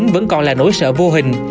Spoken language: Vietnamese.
vẫn còn là nỗi sợ vô hình